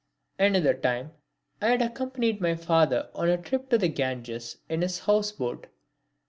Another time I had accompanied my father on a trip on the Ganges in his houseboat.